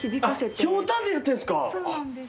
あっひょうたんでやってんですか。